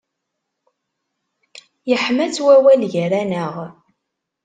Yeḥma-tt wawal gar-aneɣ.